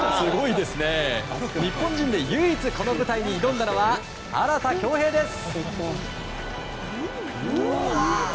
日本人で唯一、この舞台に挑んだのは荒田恭兵です。